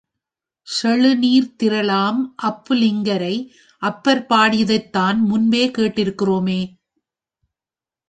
செழு நீர்த்திரளாம் அப்பு லிங்கரை அப்பர் பாடியதைத்தான் முன்பே கேட்டிருக்கிறோமே.